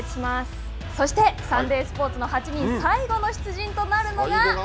そして「サンデースポーツの８人」の８人最後の出陣となるのが。